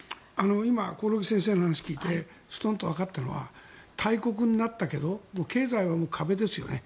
今、興梠先生の話を聞いてすとんとわかったのは大国になったけど経済は壁ですよね。